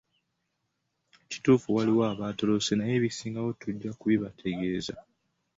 Kituufu, waliwo abatolose naye ebisingawo tujja kubibategeeza.